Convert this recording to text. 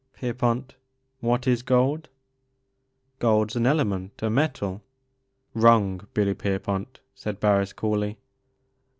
Pierpont, what is gold ?"" Gold 's an element, a metal " "Wrong I Hilly Pierpont," said Harris coolly.